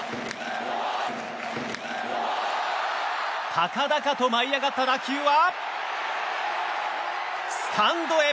高々と舞い上がった打球はスタンドへ！